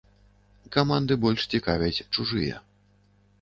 Каманды больш цікавяць чужыя.